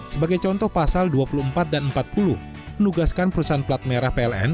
sebagai contoh pasal dua puluh empat dan empat puluh menugaskan perusahaan plat merah pln